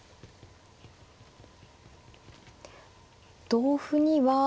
同歩には。